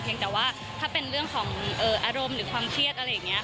ยังแต่ว่าถ้าเป็นเรื่องของอารมณ์หรือความเครียดอะไรอย่างนี้